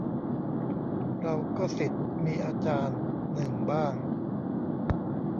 เราก็ศิษย์มีอาจารย์ หนึ่งบ้าง